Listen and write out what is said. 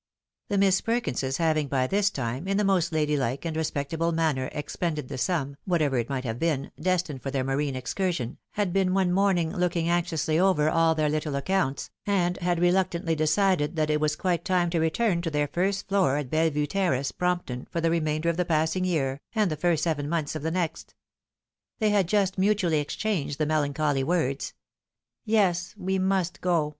The Miss Perkinses having by this time, in the most lady like and respectable manner, expended the sum (whatever it might have been) destined for their marine excursion, had been one morning looking anxiously over all their Uttle accounts, and had reluctantly decided that it was quite time to return to their first floor at Belle Vue terrace, Brompton, for the remainder of the passing year, and the first seven months of the next. They had just mutually exchanged the melancholy worde, " Yes, we must go